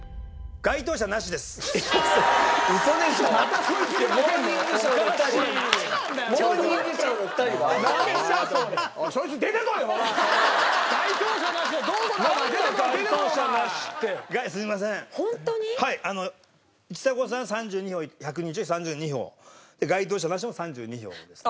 該当者なしも３２票でした。